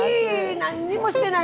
何にもしてない